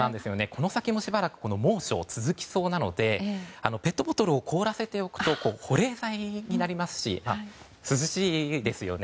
この先もしばらく猛暑が続きそうなのでペットボトルを凍らせておくと保冷剤になりますし涼しいですよね。